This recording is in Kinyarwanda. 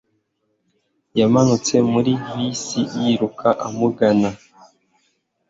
Yamanutse muri bisi yiruka amugana